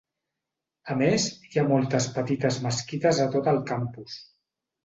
A més, hi ha moltes petites mesquites a tot el campus.